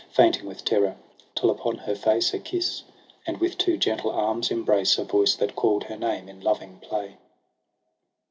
Fainting with terror : till upon her face A kiss, and with two gentle arms' embrace, A voice that call'd her name in loving play.